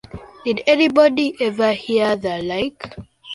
Did anybody ever hear the like!